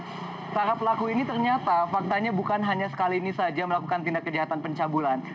nah para pelaku ini ternyata faktanya bukan hanya sekali ini saja melakukan tindak kejahatan pencabulan